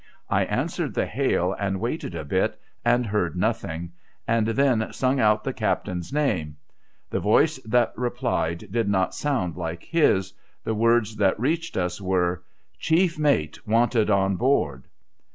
I answered the hail, and waited a bit, and heard nothing, and then sung out the captain's name. The voice that replied did not sound like his ; the words that reached us were :' Chief mate wanted on board